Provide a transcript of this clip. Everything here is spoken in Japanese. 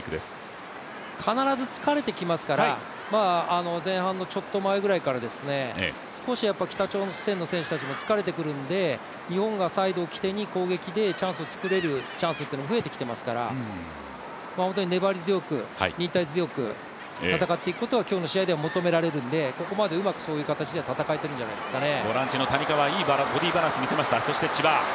必ず疲れてきますから、前半のちょっと前ぐらいから少し北朝鮮の選手たちも疲れてくるので、日本がサイドを起点に攻撃を作れるチャンスも増えていますから粘り強く忍耐強く戦っていくことが今日の試合では求められるのでここまでうまく、そういう形では戦えているんじゃないですかね。